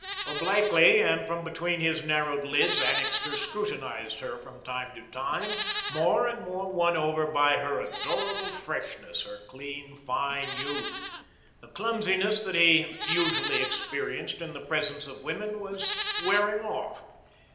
Obliquely, and from between his narrowed lids, Annixter scrutinised her from time to time, more and more won over by her adorable freshness, her clean, fine youth. The clumsiness that he usually experienced in the presence of women was wearing off.